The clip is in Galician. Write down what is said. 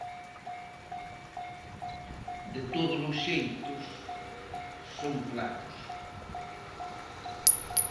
De todos os xeitos, son claros.